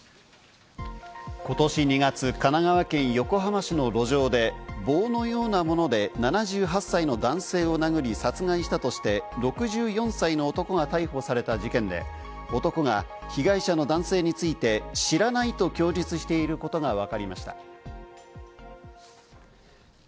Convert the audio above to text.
ことし２月、神奈川県横浜市の路上で棒のようなもので７８歳の男性を殴り殺害したとして、６４歳の男が逮捕された事件で、男が被害者の男性について、知らないと供述していることがわかりました。